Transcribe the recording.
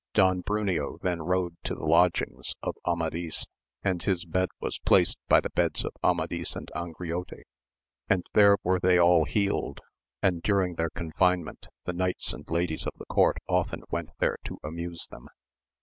Don Bruneo then rode to the lodgings of Amadis, and his bed was placed by the beds of Amadis and Angriote, and there were they all healed, and AMADIS OF OAUL. 103 during their confinement the knights and ladies of the eourt often went there to amuse them.